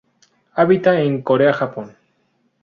Habita en Corea Japón.